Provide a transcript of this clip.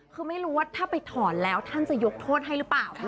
คือไม่รู้ว่าถ้าไปถอนแล้วท่านจะยกโทษให้หรือเปล่า